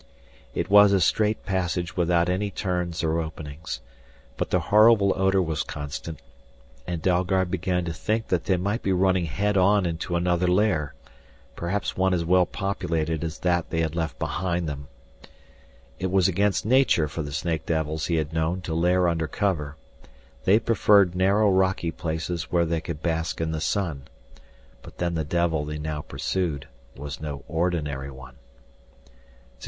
It was a straight passage without any turns or openings. But the horrible odor was constant, and Dalgard began to think that they might be running head on into another lair, perhaps one as well populated as that they had left behind them. It was against nature for the snake devils he had known to lair under cover; they preferred narrow rocky places where they could bask in the sun. But then the devil they now pursued was no ordinary one.